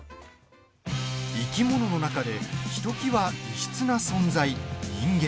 生き物の中でひときわ異質な存在、人間。